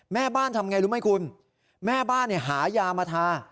แม่บ้านทำไงรู้ไหมคุณแม่บ้านหายามาทา